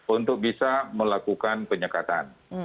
untuk bisa melakukan penyekatan